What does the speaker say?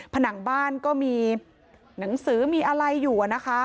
ผนังบ้านก็มีหนังสือมีอะไรอยู่นะคะ